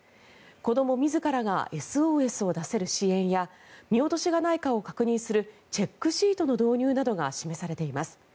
子ども自らがＳＯＳを出せる支援や見落としがないかを確認するチェックシートの導入などが示されています。